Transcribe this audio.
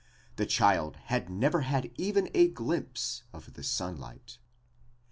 The child had never had even a glimpse of the sunlight.